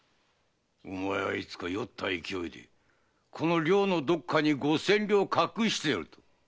お前はいつか酔った勢いでこの寮のどこかに五千両を隠してると漏らしておったな。